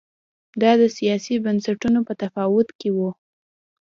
دا د سیاسي بنسټونو په تفاوت کې و